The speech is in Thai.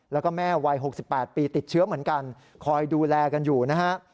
แล้วก็แม่วัย๖๘ปีติดเชื้อเหมือนกันคอยดูแลกันอยู่นะฮะ